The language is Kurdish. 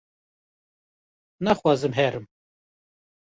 naxwazim herim